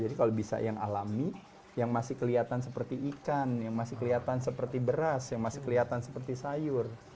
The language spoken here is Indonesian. kalau bisa yang alami yang masih kelihatan seperti ikan yang masih kelihatan seperti beras yang masih kelihatan seperti sayur